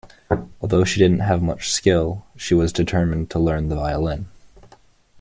Although she didn't have much skill, she was determined to learn the violin.